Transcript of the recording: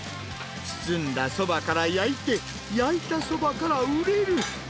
包んだそばから焼いて、焼いたそばから売れる。